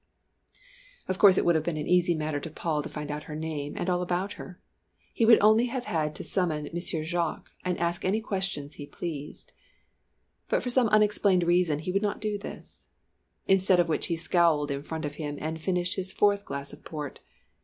Of course it would have been an easy matter to Paul to find out her name, and all about her. He would only have had to summon Monsieur Jacques, and ask any question he pleased. But for some unexplained reason he would not do this. Instead of which he scowled in front of him, and finished his fourth glass of port.